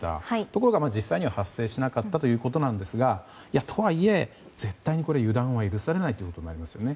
ところが実際には発生しなかったんですがとはいえ、絶対に油断は許されないことになりますね。